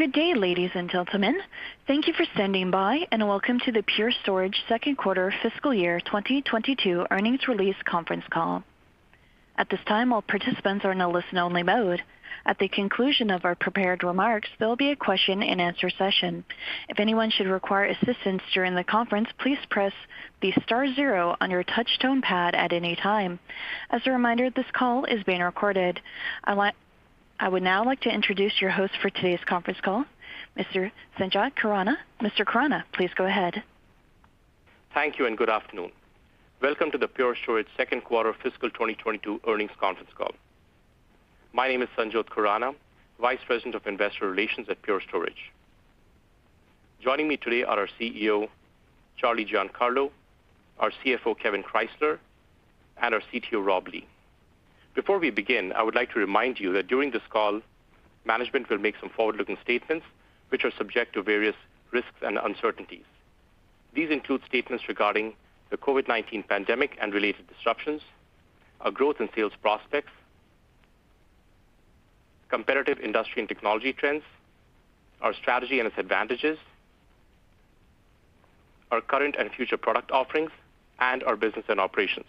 Good day, ladies and gentlemen. Thank you for standing by, and welcome to the Everpure second quarter fiscal year 2022 earnings release conference call. At this time, all participants are in a listen-only mode. At the conclusion of our prepared remarks, there will be a question-and-answer session. If anyone should require assistance during the conference, please press the star zero on your touch tone pad at any time. As a reminder, this call is being recorded. I would now like to introduce your host for today's conference call, Mr. Sanjot Khurana. Mr. Khurana, please go ahead. Thank you. Good afternoon. Welcome to the Pure Storage second quarter fiscal 2022 earnings conference call. My name is Sanjot Khurana, Vice President of Investor Relations at Pure Storage. Joining me today are our CEO, Charles Giancarlo, our CFO, Kevan Krysler, and our CTO, Rob Lee. Before we begin, I would like to remind you that during this call, management will make some forward-looking statements which are subject to various risks and uncertainties. These include statements regarding the COVID-19 pandemic and related disruptions, our growth and sales prospects, competitive industry and technology trends, our strategy and its advantages, our current and future product offerings, and our business and operations.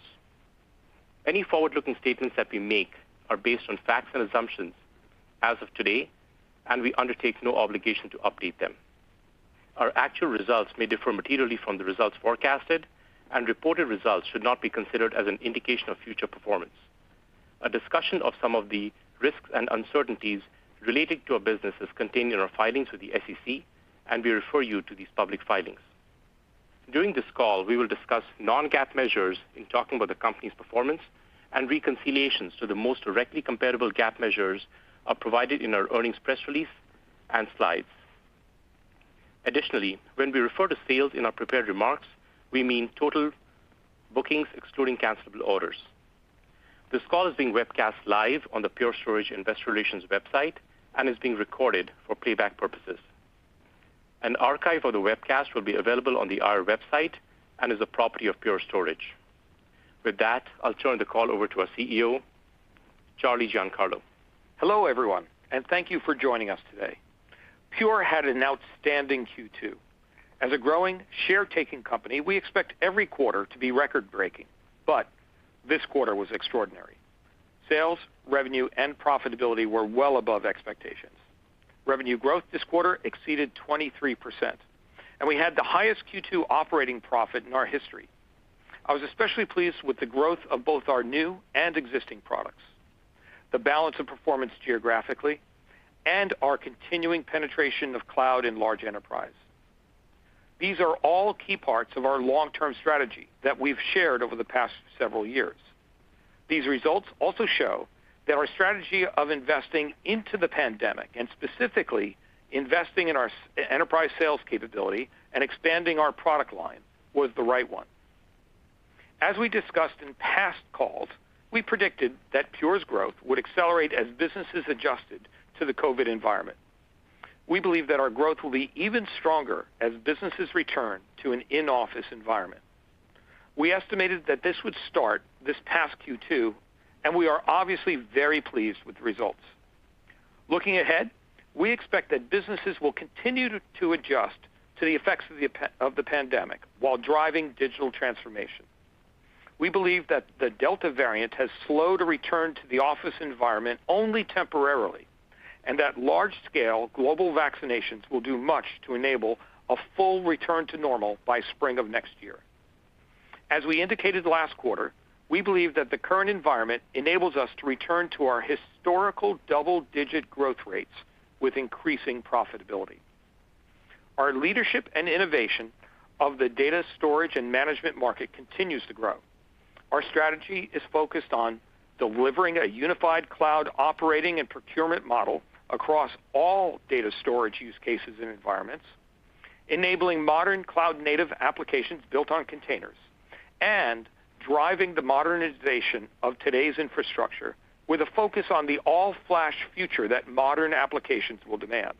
Any forward-looking statements that we make are based on facts and assumptions as of today, and we undertake no obligation to update them. Our actual results may differ materially from the results forecasted. Reported results should not be considered as an indication of future performance. A discussion of some of the risks and uncertainties relating to our business is contained in our filings with the SEC. We refer you to these public filings. During this call, we will discuss non-GAAP measures in talking about the company's performance. Reconciliations to the most directly comparable GAAP measures are provided in our earnings press release and slides. Additionally, when we refer to sales in our prepared remarks, we mean total bookings excluding cancelable orders. This call is being webcast live on the Pure Storage Investor Relations website and is being recorded for playback purposes. An archive of the webcast will be available on our website and is the property of Pure Storage. With that, I'll turn the call over to our CEO, Charles Giancarlo. Hello, everyone, and thank you for joining us today. Everpure had an outstanding Q2. As a growing, share-taking company, we expect every quarter to be record-breaking, but this quarter was extraordinary. Sales, revenue, and profitability were well above expectations. Revenue growth this quarter exceeded 23%, and we had the highest Q2 operating profit in our history. I was especially pleased with the growth of both our new and existing products, the balance of performance geographically, and our continuing penetration of cloud and large enterprise. These are all key parts of our long-term strategy that we've shared over the past several years. These results also show that our strategy of investing into the pandemic, and specifically investing in our enterprise sales capability and expanding our product line, was the right one. As we discussed in past calls, we predicted that Everpure's growth would accelerate as businesses adjusted to the COVID environment. We believe that our growth will be even stronger as businesses return to an in-office environment. We estimated that this would start this past Q2, and we are obviously very pleased with the results. Looking ahead, we expect that businesses will continue to adjust to the effects of the pandemic while driving digital transformation. We believe that the Delta variant has slowed a return to the office environment only temporarily, and that large-scale global vaccinations will do much to enable a full return to normal by spring of next year. As we indicated last quarter, we believe that the current environment enables us to return to our historical double-digit growth rates with increasing profitability. Our leadership and innovation of the data storage and management market continues to grow. Our strategy is focused on delivering a unified cloud operating and procurement model across all data storage use cases and environments, enabling modern cloud-native applications built on containers, and driving the modernization of today's infrastructure with a focus on the all-flash future that modern applications will demand.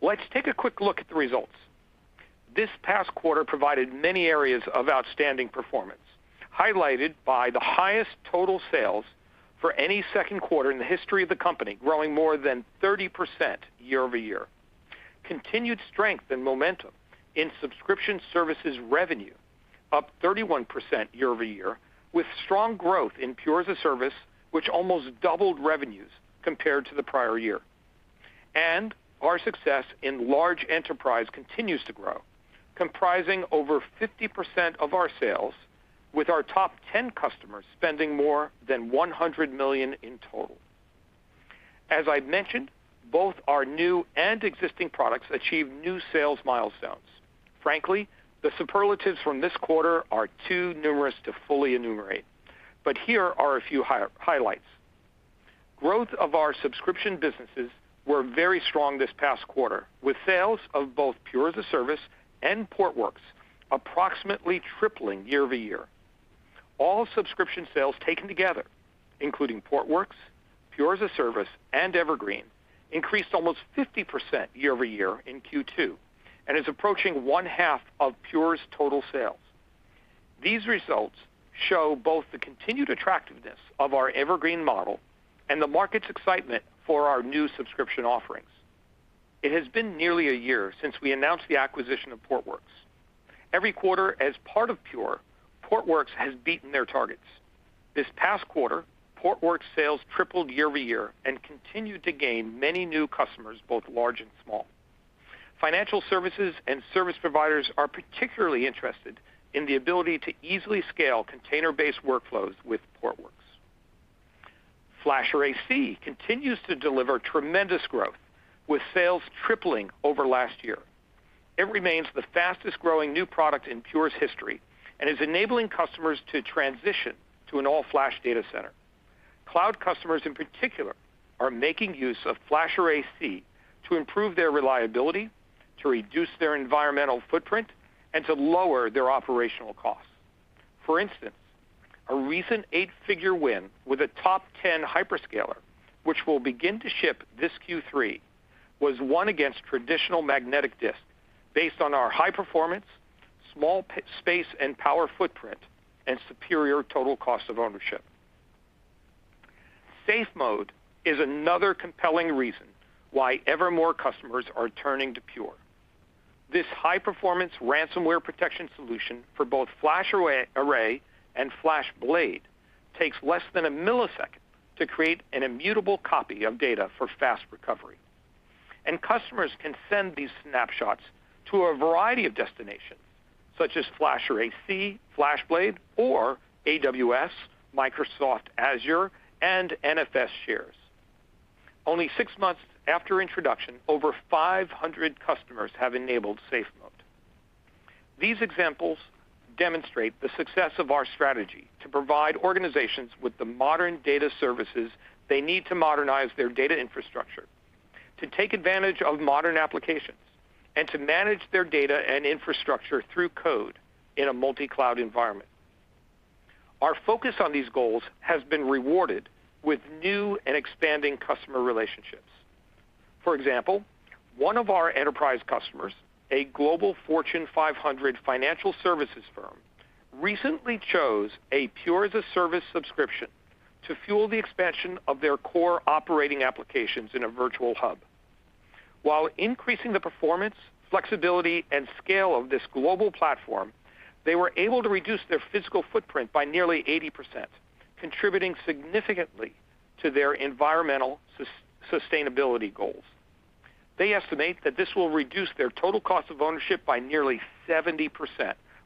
Let's take a quick look at the results. This past quarter provided many areas of outstanding performance, highlighted by the highest total sales for any second quarter in the history of the company, growing more than 30% year-over-year. Continued strength and momentum in subscription services revenue, up 31% year-over-year, with strong growth in Pure as-a-Service, which almost doubled revenues compared to the prior year. Our success in large enterprise continues to grow, comprising over 50% of our sales, with our top 10 customers spending more than $100 million in total. As I mentioned, both our new and existing products achieved new sales milestones. Frankly, the superlatives from this quarter are too numerous to fully enumerate, but here are a few highlights. Growth of our subscription businesses were very strong this past quarter, with sales of both Pure as-a-Service and Portworx approximately tripling year-over-year. All subscription sales taken together, including Portworx, Pure as-a-Service, and Evergreen, increased almost 50% year-over-year in Q2 and is approaching one half of Pure's total sales. These results show both the continued attractiveness of our Evergreen model and the market's excitement for our new subscription offerings. It has been nearly a year since we announced the acquisition of Portworx. Every quarter as part of Pure, Portworx has beaten their targets. This past quarter, Portworx sales tripled year-over-year and continued to gain many new customers, both large and small. Financial services and service providers are particularly interested in the ability to easily scale container-based workflows with Portworx. FlashArray//C continues to deliver tremendous growth, with sales tripling over last year. It remains the fastest-growing new product in Everpure's history and is enabling customers to transition to an all-flash data center. Cloud customers in particular are making use of FlashArray//C to improve their reliability, to reduce their environmental footprint, and to lower their operational costs. For instance, a recent 8-figure win with a top 10 hyperscaler, which will begin to ship this Q3, was won against traditional magnetic disk based on our high performance, small space and power footprint, and superior total cost of ownership. SafeMode is another compelling reason why ever more customers are turning to Everpure. This high-performance ransomware protection solution for both FlashArray and FlashBlade takes less than a millisecond to create an immutable copy of data for fast recovery. Customers can send these snapshots to a variety of destinations, such as FlashArray//C, FlashBlade, or AWS, Microsoft Azure, and NFS shares. Only six months after introduction, over 500 customers have enabled SafeMode. These examples demonstrate the success of our strategy to provide organizations with the modern data services they need to modernize their data infrastructure, to take advantage of modern applications, and to manage their data and infrastructure through code in a multi-cloud environment. Our focus on these goals has been rewarded with new and expanding customer relationships. For example, one of our enterprise customers, a global Fortune 500 financial services firm, recently chose a Pure as-a-Service subscription to fuel the expansion of their core operating applications in a virtual hub. While increasing the performance, flexibility, and scale of this global platform, they were able to reduce their physical footprint by nearly 80%, contributing significantly to their environmental sustainability goals. They estimate that this will reduce their total cost of ownership by nearly 70%,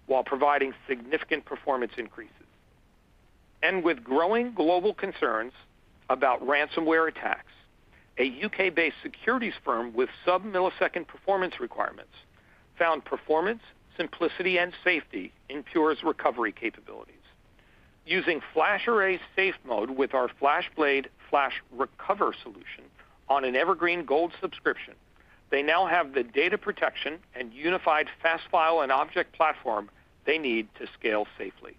while providing significant performance increases. With growing global concerns about ransomware attacks, a U.K.-based securities firm with sub-millisecond performance requirements found performance, simplicity, and safety in Pure's recovery capabilities. Using FlashArray SafeMode with our FlashBlade FlashRecover solution on an Evergreen Gold subscription, they now have the data protection and unified fast file and object platform they need to scale safely.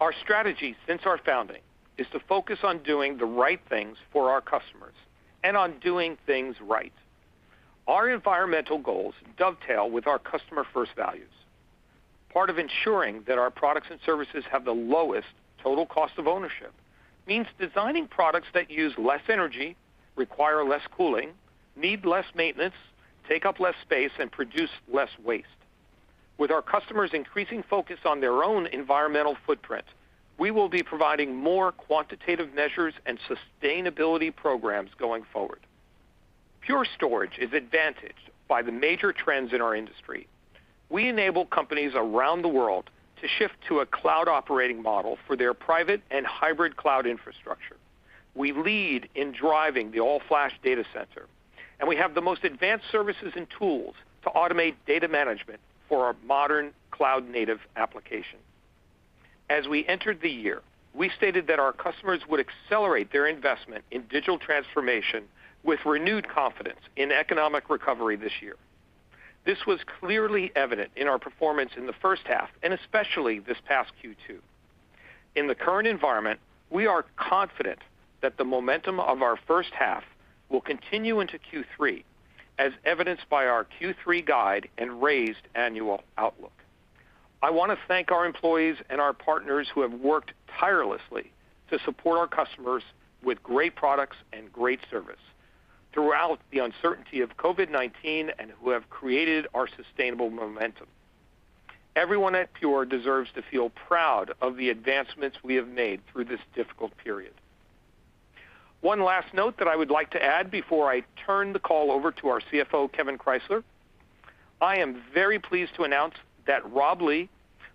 Our strategy since our founding is to focus on doing the right things for our customers and on doing things right. Our environmental goals dovetail with our customer-first values. Part of ensuring that our products and services have the lowest total cost of ownership means designing products that use less energy, require less cooling, need less maintenance, take up less space, and produce less waste. With our customers' increasing focus on their own environmental footprint, we will be providing more quantitative measures and sustainability programs going forward. Pure Storage is advantaged by the major trends in our industry. We enable companies around the world to shift to a cloud operating model for their private and hybrid cloud infrastructure. We lead in driving the all-flash data center. We have the most advanced services and tools to automate data management for our modern cloud native application. As we entered the year, we stated that our customers would accelerate their investment in digital transformation with renewed confidence in economic recovery this year. This was clearly evident in our performance in the first half, and especially this past Q2. In the current environment, we are confident that the momentum of our first half will continue into Q3, as evidenced by our Q3 guide and raised annual outlook. I want to thank our employees and our partners who have worked tirelessly to support our customers with great products and great service throughout the uncertainty of COVID-19 and who have created our sustainable momentum. Everyone at Pure deserves to feel proud of the advancements we have made through this difficult period. One last note that I would like to add before I turn the call over to our CFO, Kevan Krysler. I am very pleased to announce that Rob Lee,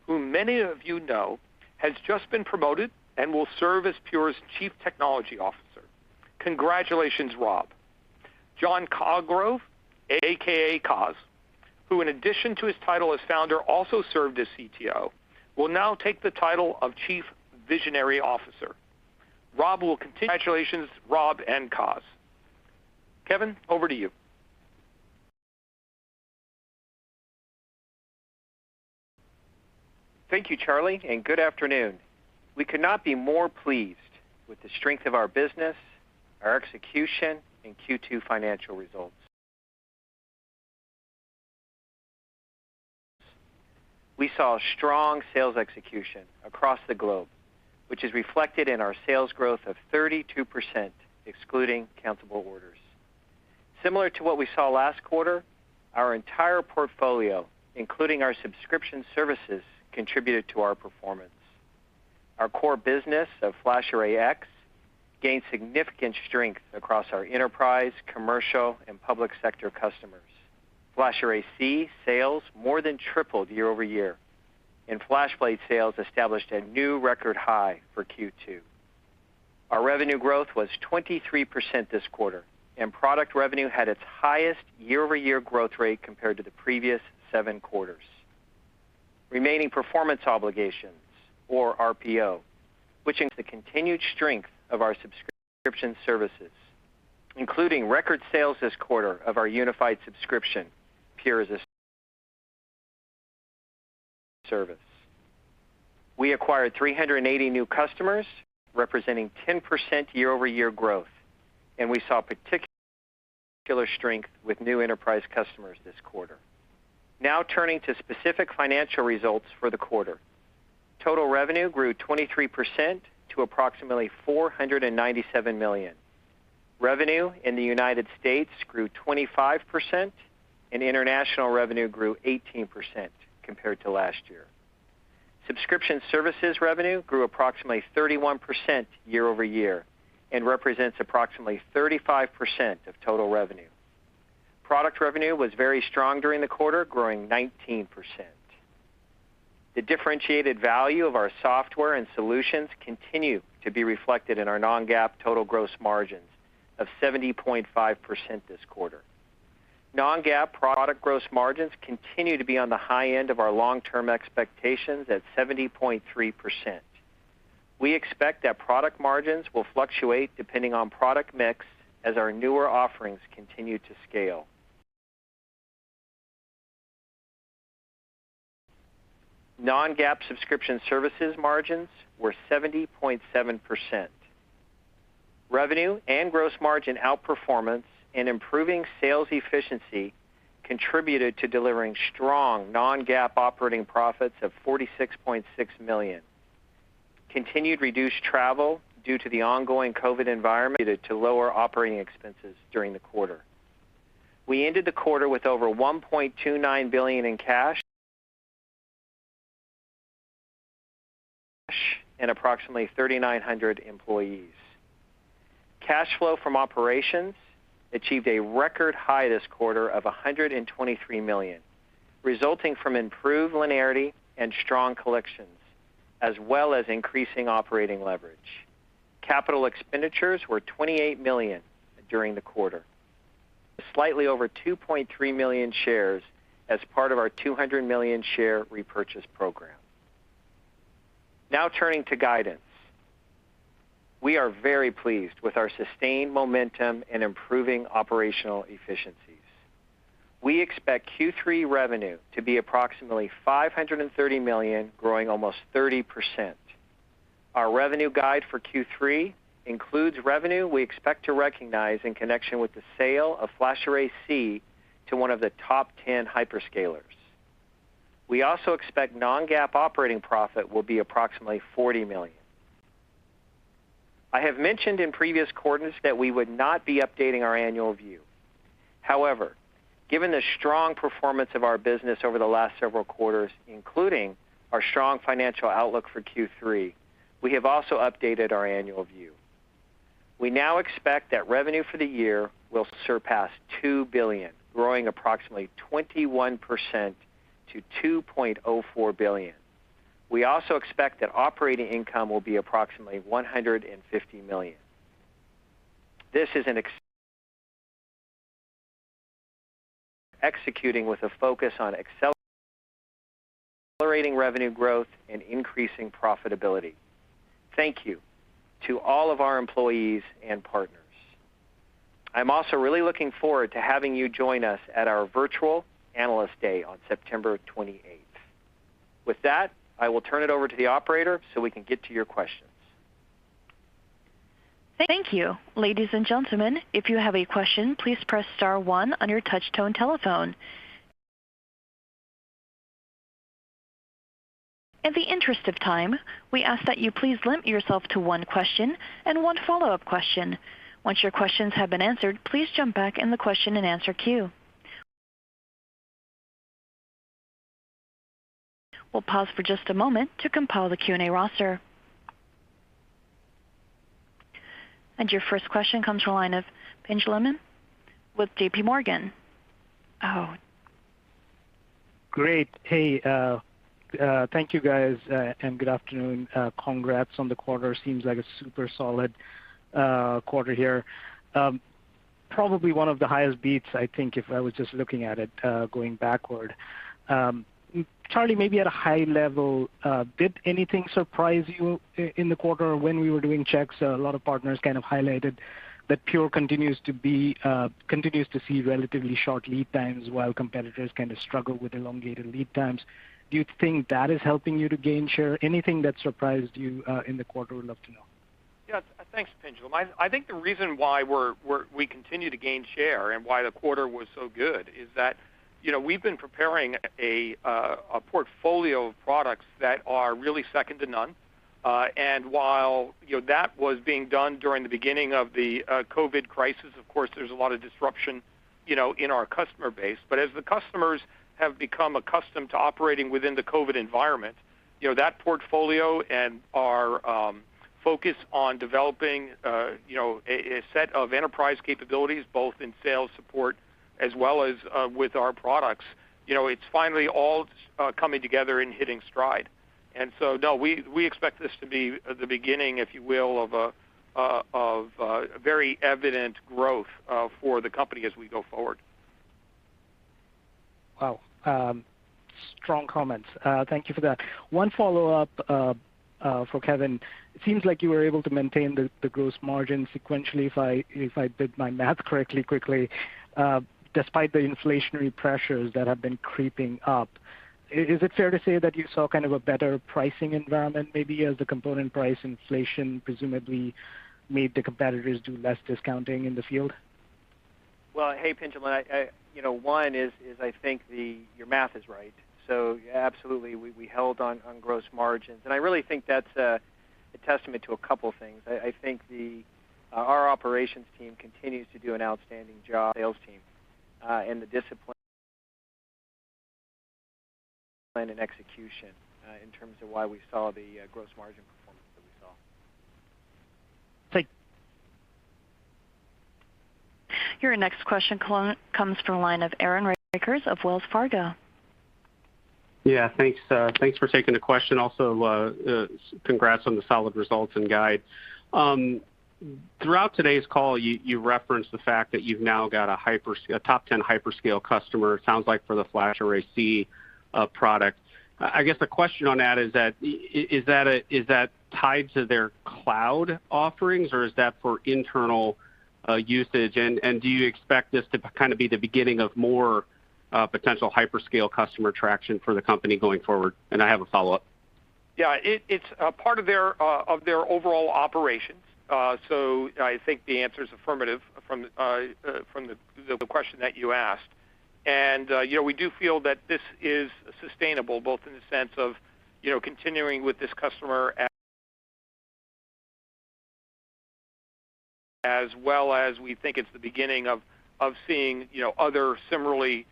who many of you know, has just been promoted and will serve as Pure's Chief Technology Officer. Congratulations, Rob. John Colgrove, aka Coz, who in addition to his title as founder, also served as CTO, will now take the title of Chief Visionary Officer. Congratulations, Rob and Coz. Kevan, over to you. Thank you, Charlie, and good afternoon. We could not be more pleased with the strength of our business, our execution, and Q2 financial results. We saw strong sales execution across the globe, which is reflected in our sales growth of 32%, excluding cancelable orders. Similar to what we saw last quarter, our entire portfolio, including our subscription services, contributed to our performance. Our core business of FlashArray//X gained significant strength across our enterprise, commercial, and public sector customers. FlashArray//C sales more than tripled year-over-year, and FlashBlade sales established a new record high for Q2. Our revenue growth was 23% this quarter, and product revenue had its highest year-over-year growth rate compared to the previous seven quarters. Remaining performance obligations, or RPO, which includes the continued strength of our subscription services, including record sales this quarter of our unified subscription, Pure as-a-Service. We acquired 380 new customers, representing 10% year-over-year growth, and we saw particular strength with new enterprise customers this quarter. Now turning to specific financial results for the quarter. Total revenue grew 23% to approximately $497 million. Revenue in the United States grew 25%, and international revenue grew 18% compared to last year. Subscription services revenue grew approximately 31% year-over-year and represents approximately 35% of total revenue. Product revenue was very strong during the quarter, growing 19%. The differentiated value of our software and solutions continue to be reflected in our non-GAAP total gross margins of 70.5% this quarter. Non-GAAP product gross margins continue to be on the high end of our long-term expectations at 70.3%. We expect that product margins will fluctuate depending on product mix as our newer offerings continue to scale. Non-GAAP subscription services margins were 70.7%. Revenue and gross margin outperformance and improving sales efficiency contributed to delivering strong non-GAAP operating profits of $46.6 million. Continued reduced travel due to the ongoing COVID environment contributed to lower operating expenses during the quarter. We ended the quarter with over $1.29 billion in cash and approximately 3,900 employees. Cash flow from operations achieved a record high this quarter of $123 million, resulting from improved linearity and strong collections, as well as increasing operating leverage. Capital expenditures were $28 million during the quarter. Slightly over 2.3 million shares as part of our $200 million share repurchase program. Now turning to guidance. We are very pleased with our sustained momentum and improving operational efficiencies. We expect Q3 revenue to be approximately $530 million, growing almost 30%. Our revenue guide for Q3 includes revenue we expect to recognize in connection with the sale of FlashArray//C to one of the top 10 hyperscalers. We also expect non-GAAP operating profit will be approximately $40 million. I have mentioned in previous quarters that we would not be updating our annual view. However, given the strong performance of our business over the last several quarters, including our strong financial outlook for Q3, we have also updated our annual view. We now expect that revenue for the year will surpass $2 billion, growing approximately 21% to $2.04 billion. We also expect that operating income will be approximately $150 million. This is an executing with a focus on accelerating revenue growth and increasing profitability. Thank you to all of our employees and partners. I'm also really looking forward to having you join us at our virtual Analyst Day on September 28th. With that, I will turn it over to the operator so we can get to your questions. Thank you. Ladies and gentlemen, if you have a question, please press star one on your touchtone telephone. In the interest of time, we ask that you please limit yourself to one question and one follow-up question. Once your questions have been answered, please jump back in the question-and-answer queue. We'll pause for just a moment to compile the Q&A roster. Your first question comes from the line of Pinjalim Bora with JP Morgan. Great. Hey, thank you guys. Good afternoon. Congrats on the quarter. Seems like a super solid quarter here. Probably one of the highest beats, I think, if I was just looking at it going backward. Charlie, maybe at a high level, did anything surprise you in the quarter? When we were doing checks, a lot of partners kind of highlighted that Pure continues to see relatively short lead times while competitors kind of struggle with elongated lead times. Do you think that is helping you to gain share? Anything that surprised you in the quarter, would love to know. Yes. Thanks, Pinjal. I think the reason why we continue to gain share and why the quarter was so good is that we've been preparing a portfolio of products that are really second to none. While that was being done during the beginning of the COVID crisis, of course, there's a lot of disruption in our customer base. As the customers have become accustomed to operating within the COVID environment, that portfolio and our focus on developing a set of enterprise capabilities, both in sales support as well as with our products, it's finally all coming together and hitting stride. No, we expect this to be the beginning, if you will, of a very evident growth for the company as we go forward. Wow. Strong comments. Thank you for that. One follow-up for Kevan. It seems like you were able to maintain the gross margin sequentially, if I did my math correctly quickly, despite the inflationary pressures that have been creeping up. Is it fair to say that you saw a better pricing environment maybe as the component price inflation presumably made the competitors do less discounting in the field? Well, hey, Pinjal. One is I think your math is right. Absolutely, we held on gross margins. I really think that's a testament to a couple things. I think our operations team continues to do an outstanding job, sales team, and the discipline and execution in terms of why we saw the gross margin performance that we saw. Thank- Your next question comes from the line of Aaron Rakers of Wells Fargo. Yeah, thanks. Thanks for taking the question. Congrats on the solid results and guide. Throughout today's call, you referenced the fact that you've now got a top 10 hyperscale customer, it sounds like for the FlashArray//C product. I guess the question on that is that tied to their cloud offerings, or is that for internal usage? Do you expect this to be the beginning of more potential hyperscale customer traction for the company going forward? I have a follow-up. Yeah. It's a part of their overall operations. I think the answer is affirmative from the question that you asked. We do feel that this is sustainable, both in the sense of continuing with this customer as well as we think it's the beginning of seeing other similarly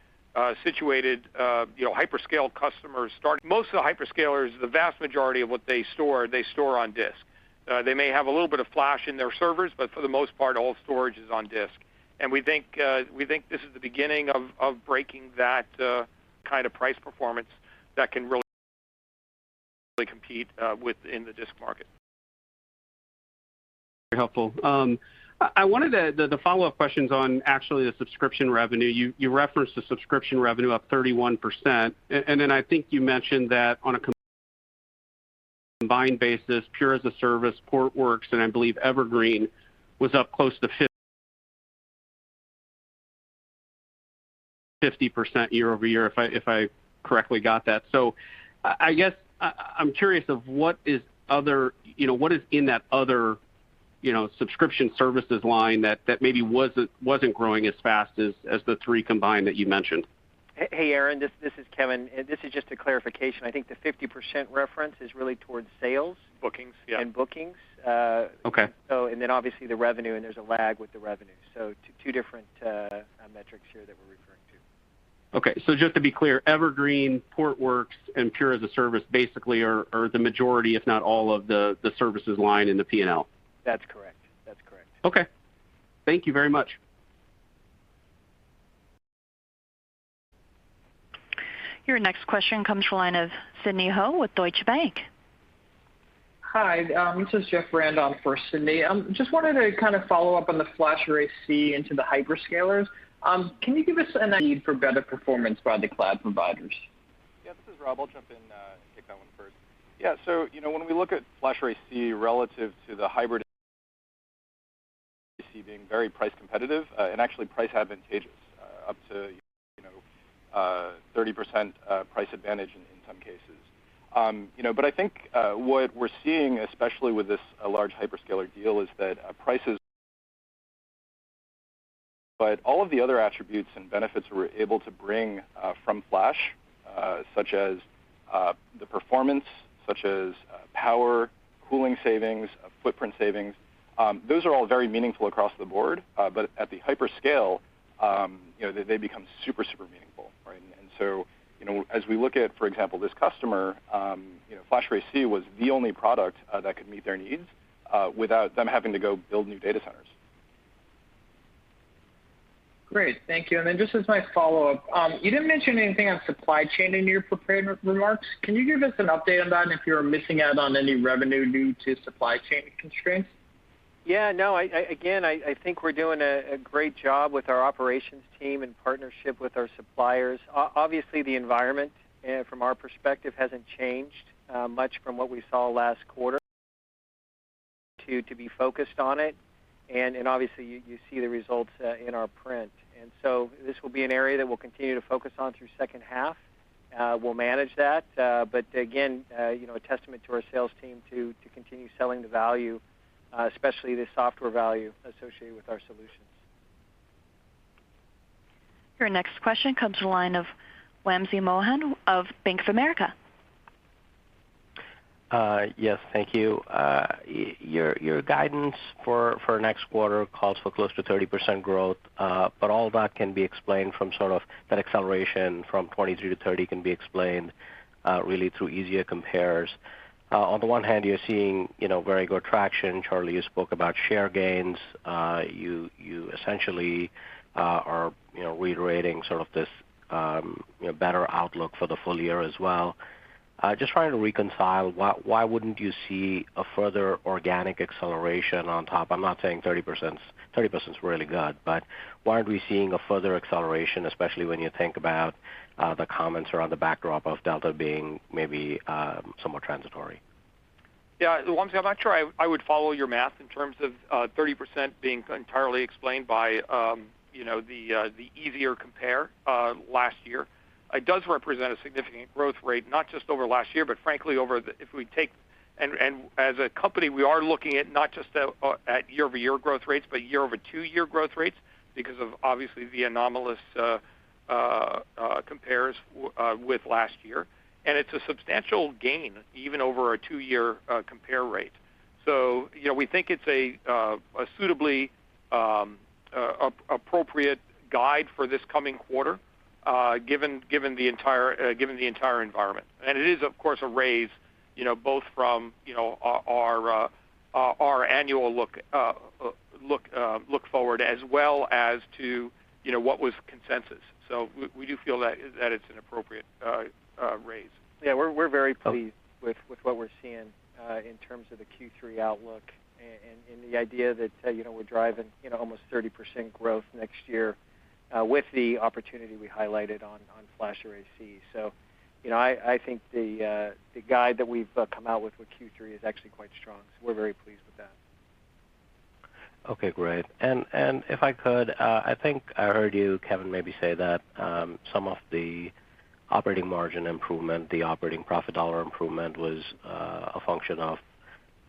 situated hyperscale customers start. Most of the hyperscalers, the vast majority of what they store, they store on disk. They may have a little bit of flash in their servers, but for the most part, all storage is on disk. We think this is the beginning of breaking that kind of price performance that can really compete within the disk market. Very helpful. The follow-up question's on actually the subscription revenue. You referenced the subscription revenue up 31%, and then I think you mentioned that on a combined basis, Pure as-a-Service, Portworx, and I believe Evergreen was up close to 50% year-over-year, if I correctly got that. I guess I'm curious of what is in that other subscription services line that maybe wasn't growing as fast as the three combined that you mentioned. Hey, Aaron, this is Kevan. This is just a clarification. I think the 50% reference is really towards sales- Bookings. Yeah. and bookings. Okay. Obviously the revenue, and there's a lag with the revenue. Two different metrics here that we're referring to. Okay, just to be clear, Evergreen, Portworx, and Pure as-a-Service basically are the majority, if not all of the services line in the P&L? That's correct. Okay. Thank you very much. Your next question comes from the line of Sidney Ho with Deutsche Bank. Hi, this is Jeffrey Rand for Sidney. Just wanted to follow up on the FlashArray//C into the hyperscalers. Can you give us a need for better performance by the cloud providers? Yeah. This is Rob. I'll jump in and take that one first. Yeah. When we look at FlashArray//C relative to the hybrid, C being very price competitive and actually price advantageous up to 30% price advantage in some cases. I think what we're seeing, especially with this large hyperscaler deal, is that prices, but all of the other attributes and benefits we're able to bring from Flash such as the performance, such as power, cooling savings, footprint savings, those are all very meaningful across the board. At the hyperscale, they become super meaningful, right? As we look at, for example, this customer FlashArray//C was the only product that could meet their needs without them having to go build new data centers. Great. Thank you. Just as my follow-up, you didn't mention anything on supply chain in your prepared remarks. Can you give us an update on that and if you're missing out on any revenue due to supply chain constraints? No, again, I think we're doing a great job with our operations team in partnership with our suppliers. Obviously, the environment from our perspective hasn't changed much from what we saw last quarter to be focused on it, and obviously you see the results in our print. This will be an area that we'll continue to focus on through second half. We'll manage that. Again, a testament to our sales team to continue selling the value, especially the software value associated with our solutions. Your next question comes to the line of Wamsi Mohan of Bank of America. Yes. Thank you. Your guidance for next quarter calls for close to 30% growth. All that can be explained from sort of that acceleration from 23-30 can be explained, really through easier compares. On the one hand, you're seeing very good traction. Charlie, you spoke about share gains. You essentially are reiterating sort of this better outlook for the full-year as well. Just trying to reconcile why wouldn't you see a further organic acceleration on top? I'm not saying 30% is really good, why aren't we seeing a further acceleration, especially when you think about the comments around the backdrop of Delta being maybe somewhat transitory? Yeah. Wamsi, I'm not sure I would follow your math in terms of 30% being entirely explained by the easier compare last year. It does represent a significant growth rate, not just over last year, but frankly, as a company, we are looking at not just at year-over-year growth rates, but year-over-two-year growth rates because of obviously the anomalous compares with last year. It's a substantial gain even over our two-year compare rate. We think it's a suitably appropriate guide for this coming quarter, given the entire environment. It is of course, a raise both from our annual look forward as well as to what was consensus. We do feel that it's an appropriate raise. Yeah, we're very pleased with what we're seeing in terms of the Q3 outlook and the idea that we're driving almost 30% growth next year with the opportunity we highlighted on FlashArray//C. I think the guide that we've come out with Q3 is actually quite strong. We're very pleased with that. If I could, I think I heard you, Kevan, maybe say that some of the operating margin improvement, the operating profit dollar improvement was a function of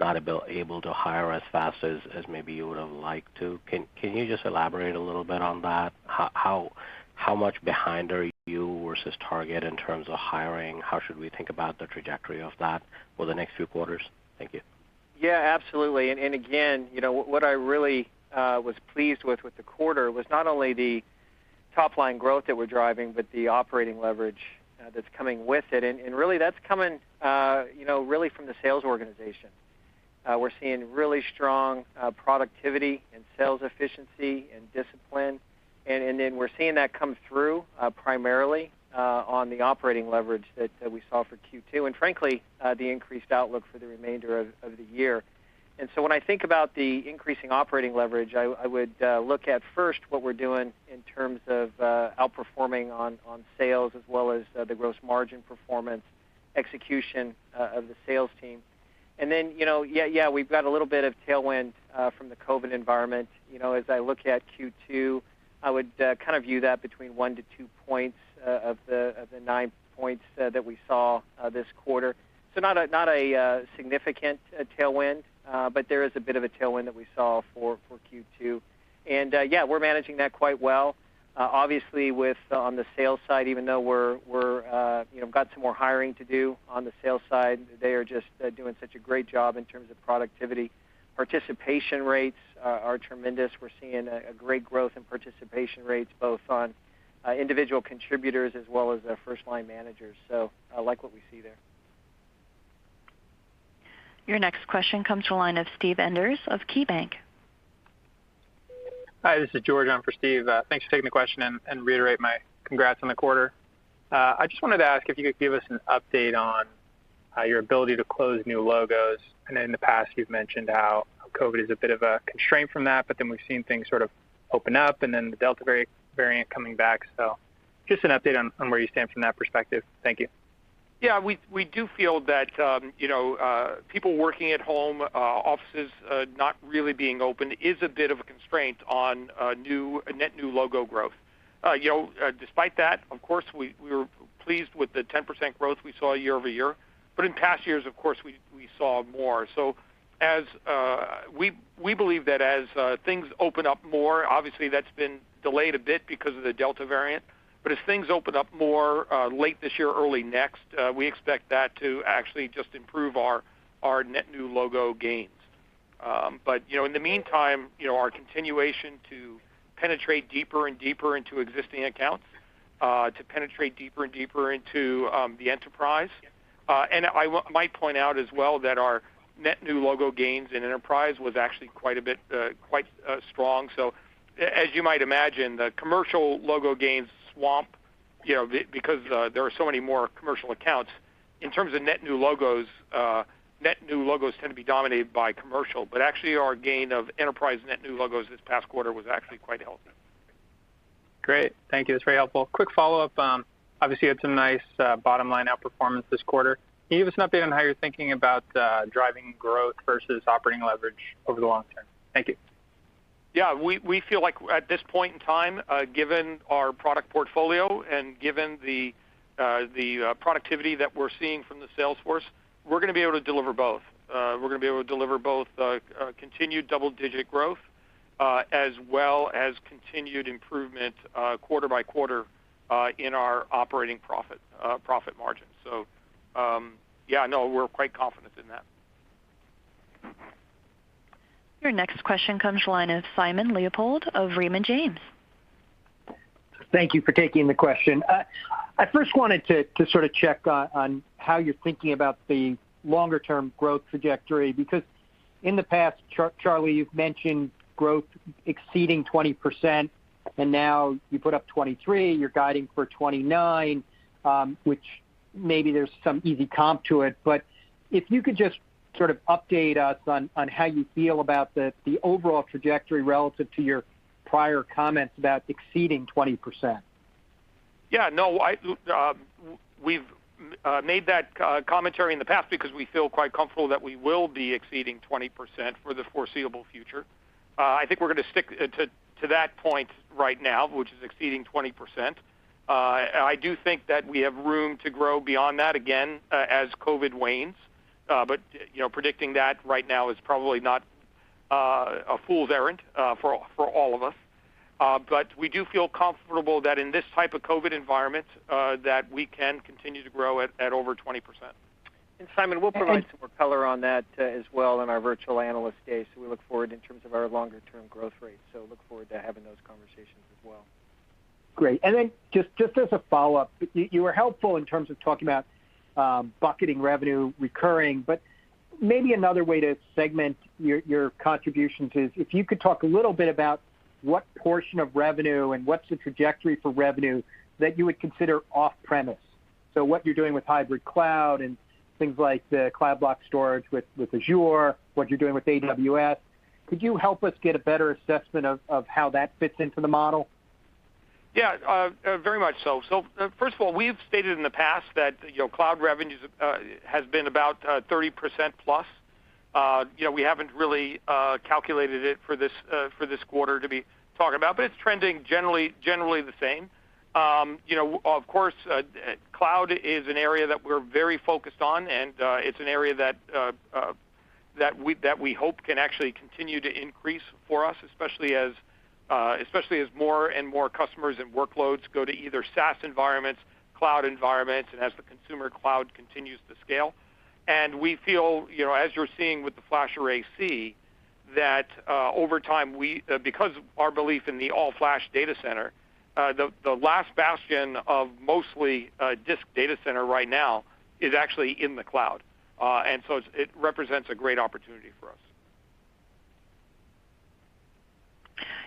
not able to hire as fast as maybe you would've liked to. Can you just elaborate a little bit on that? How much behind are you versus target in terms of hiring? How should we think about the trajectory of that for the next few quarters? Thank you. Yeah, absolutely. Again, what I really was pleased with the quarter was not only the top line growth that we're driving, but the operating leverage that's coming with it. Really that's coming really from the sales organization. We're seeing really strong productivity and sales efficiency and discipline. Then we're seeing that come through primarily on the operating leverage that we saw for Q2. Frankly, the increased outlook for the remainder of the year. When I think about the increasing operating leverage, I would look at first what we're doing in terms of outperforming on sales as well as the gross margin performance execution of the sales team. Then, yeah, we've got a little bit of tailwind from the COVID-19 environment. As I look at Q2, I would kind of view that between one-two points of the nine points that we saw this quarter. Not a significant tailwind, but there is a bit of a tailwind that we saw for Q2. Yeah, we're managing that quite well. Obviously on the sales side, even though we've got some more hiring to do on the sales side, they are just doing such a great job in terms of productivity. Participation rates are tremendous. We're seeing a great growth in participation rates, both on individual contributors as well as our first-line managers. I like what we see there. Your next question comes to the line of Steven Enders of KeyBanc. Hi, this is George. I'm for Steve. Thanks for taking the question. Reiterate my congrats on the quarter. I just wanted to ask if you could give us an update on your ability to close new logos. I know in the past you've mentioned how COVID is a bit of a constraint from that. We've seen things sort of open up and then the Delta variant coming back. Just an update on where you stand from that perspective. Thank you. Yeah, we do feel that people working at home, offices not really being open is a bit of a constraint on net new logo growth. Despite that, of course, we were pleased with the 10% growth we saw year-over-year, in past years, of course, we saw more. We believe that as things open up more, obviously that's been delayed a bit because of the Delta variant, as things open up more late this year, early next, we expect that to actually just improve our net new logo gains. In the meantime, our continuation to penetrate deeper and deeper into existing accounts, to penetrate deeper and deeper into the enterprise. I might point out as well that our net new logo gains in enterprise was actually quite strong. As you might imagine, the commercial logo gains swamp because there are so many more commercial accounts. In terms of net new logos, net new logos tend to be dominated by commercial, but actually our gain of enterprise net new logos this past quarter was actually quite healthy. Great. Thank you. That's very helpful. Quick follow-up. Obviously you had some nice bottom-line outperformance this quarter. Can you give us an update on how you're thinking about driving growth versus operating leverage over the long-term? Thank you. Yeah. We feel like at this point in time, given our product portfolio and given the productivity that we're seeing from the sales force, we're going to be able to deliver both. We're going to be able to deliver both continued double-digit growth, as well as continued improvement quarter by quarter in our operating profit margin. Yeah, no, we're quite confident in that. Your next question comes line of Simon Leopold of Raymond James. Thank you for taking the question. I first wanted to sort of check on how you're thinking about the longer-term growth trajectory, because in the past, Charlie, you've mentioned growth exceeding 20%, and now you put up 23, you're guiding for 29, which maybe there's some easy comp to it. If you could just sort of update us on how you feel about the overall trajectory relative to your prior comments about exceeding 20%. Yeah, no. We've made that commentary in the past because we feel quite comfortable that we will be exceeding 20% for the foreseeable future. I think we're going to stick to that point right now, which is exceeding 20%. I do think that we have room to grow beyond that again as COVID wanes. Predicting that right now is probably not a fool's errand for all of us. We do feel comfortable that in this type of COVID environment, that we can continue to grow at over 20%. Simon, we'll provide some more color on that as well in our virtual Analyst Day, we look forward in terms of our longer-term growth rates. Look forward to having those conversations as well. Great. Then just as a follow-up, you were helpful in terms of talking about bucketing revenue recurring, but maybe another way to segment your contributions is if you could talk a little bit about what portion of revenue and what's the trajectory for revenue that you would consider off-premise. So what you're doing with hybrid cloud and things like the Cloud Block Store with Azure, what you're doing with AWS, could you help us get a better assessment of how that fits into the model? Yeah. Very much so. First of all, we've stated in the past that cloud revenues has been about 30%+. We haven't really calculated it for this quarter to be talking about, but it's trending generally the same. Of course, cloud is an area that we're very focused on, and it's an area that we hope can actually continue to increase for us, especially as more and more customers and workloads go to either SaaS environments, cloud environments, and as the consumer cloud continues to scale. We feel, as you're seeing with the FlashArray//C, that over time, because our belief in the all-flash data center, the last bastion of mostly disk data center right now is actually in the cloud. It represents a great opportunity for us.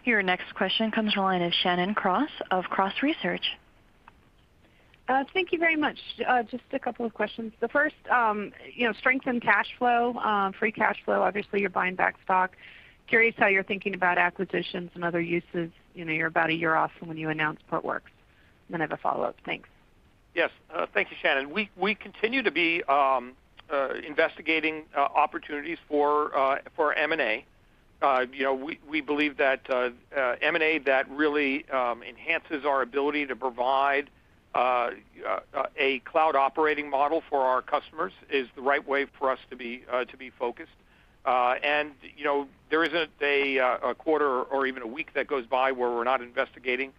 Your next question comes from the line of Shannon Cross of Cross Research. Thank you very much. Just a couple of questions. The first, strength in cash flow, free cash flow, obviously, you're buying back stock. Curious how you're thinking about acquisitions and other uses. You're about a year off from when you announced Portworx. I have a follow-up. Thanks. Yes. Thank you, Shannon. We continue to be investigating opportunities for M&A. We believe that M&A that really enhances our ability to provide a cloud operating model for our customers is the right way for us to be focused. There isn't a quarter or even a week that goes by where we're not investigating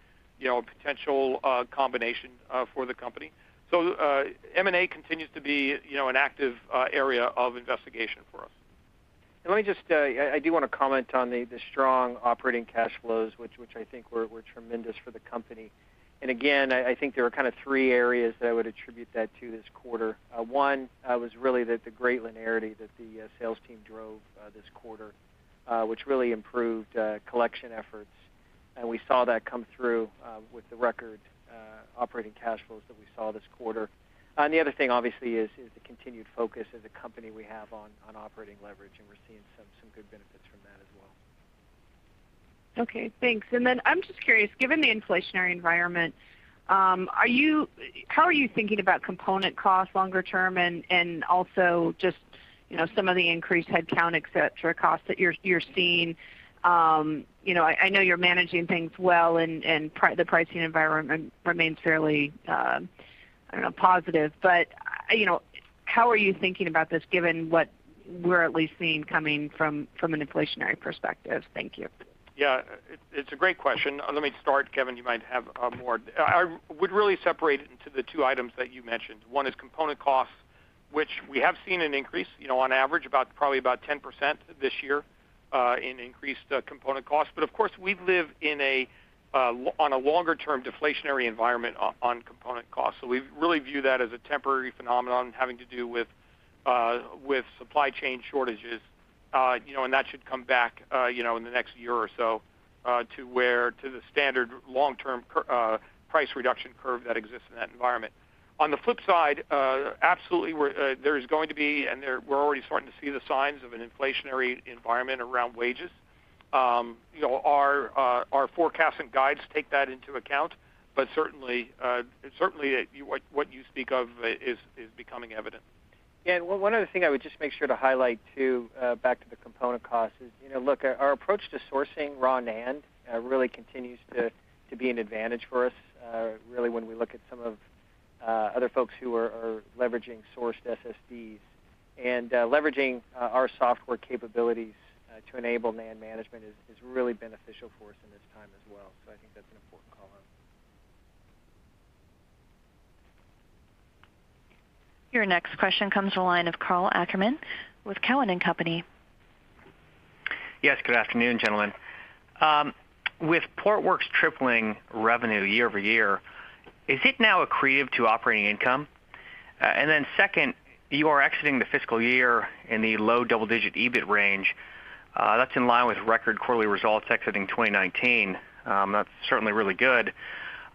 a potential combination for the company. M&A continues to be an active area of investigation for us. Let me just, I do want to comment on the strong operating cash flows, which I think were tremendous for the company. Again, I think there are kind of three areas that I would attribute that to this quarter. One was really the great linearity that the sales team drove this quarter which really improved collection efforts. We saw that come through with the record operating cash flows that we saw this quarter. The other thing, obviously, is the continued focus as a company we have on operating leverage, and we're seeing some good benefits from that as well. Okay, thanks. I'm just curious, given the inflationary environment, how are you thinking about component cost longer-term and also just some of the increased headcount, et cetera, costs that you're seeing? I know you're managing things well and the pricing environment remains fairly positive, but how are you thinking about this given what we're at least seeing coming from an inflationary perspective? Thank you. Yeah. It's a great question. Let me start. Kevan, you might have more. I would really separate it into the two items that you mentioned. One is component costs, which we have seen an increase, on average probably about 10% this year in increased component costs. Of course, we live on a longer-term deflationary environment on component costs. We really view that as a temporary phenomenon having to do with supply chain shortages, and that should come back in the next year or so to the standard long-term price reduction curve that exists in that environment. On the flip side, absolutely there is going to be, and we're already starting to see the signs of an inflationary environment around wages. Our forecast and guides take that into account, but certainly what you speak of is becoming evident. One other thing I would just make sure to highlight too, back to the component cost is, look, our approach to sourcing raw NAND really continues to be an advantage for us, really when we look at some of other folks who are leveraging sourced SSDs. Leveraging our software capabilities to enable NAND management is really beneficial for us in this time as well. I think that's an important call-out. Your next question comes to the line of Karl Ackerman with Cowen and Company. Yes. Good afternoon, gentlemen. With Portworx tripling revenue year-over-year, is it now accretive to operating income? Then second, you are exiting the fiscal year in the low double-digit EBIT range. That's in line with record quarterly results exiting 2019. That's certainly really good.